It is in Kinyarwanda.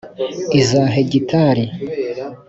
iza hegitari;